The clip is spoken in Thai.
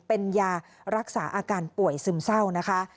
เป็นยารักษาอาการป่วยซึมเศร้านะคะ